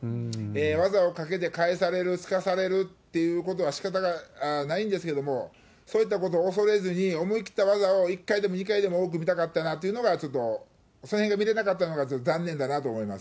技を掛けて返される、すかされるっていうことはしかたがないんですけれども、そういったことを恐れずに、思い切った技を１回でも２回でも多く見たかったなというのがちょっと、そのへんが見れなかったのが残念だなと思います。